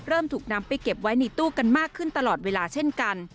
ถูกนำไปเก็บไว้ในตู้กันมากขึ้นตลอดเวลาเช่นกัน